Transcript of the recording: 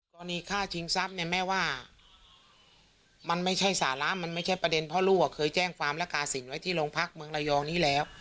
ฆ่าชิงทรัพย์เนี่ยแม่ว่ามันไม่ใช่สาระมันไม่ใช่ประเด็นเพราะลูกเคยแจ้งความและกาสินไว้ที่โรงพักเมืองระยองนี้แล้ว